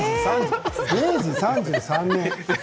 明治３３年。